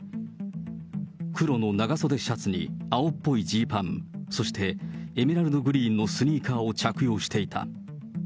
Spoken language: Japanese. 黒の長袖シャツに青っぽいジーパン、そしてエメラルドグリーンのスニーカーを着用していた。